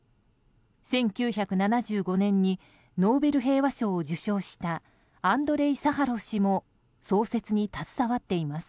１９７５年にノーベル平和賞を受賞したアンドレイ・サハロフ氏も創設に携わっています。